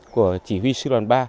của chỉ huy sư đoàn ba